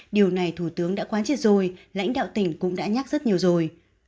điều này thủ tướng đã quan triệt rồi lãnh đạo tỉnh cũng đã nhắc rất nhiều rồi